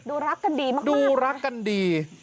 รักกันดีมากดูรักกันดี